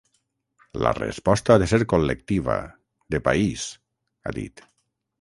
La resposta ha de ser col·lectiva, de país, ha dit.